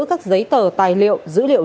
các giấy tờ tài liệu dữ liệu